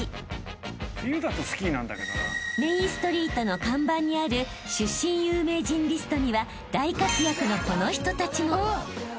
［メインストリートの看板にある出身有名人リストには大活躍のこの人たちも］